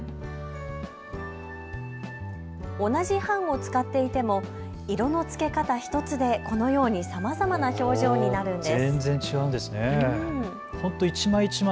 同じ版を使っていても色のつけ方１つでこのようにさまざまな表情になるんです。